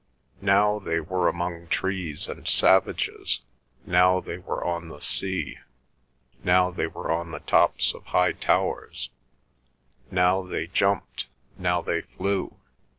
Now they were among trees and savages, now they were on the sea, now they were on the tops of high towers; now they jumped; now they flew.